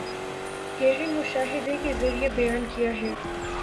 گہرے مشاہدے کے ذریعے بیان کیا ہے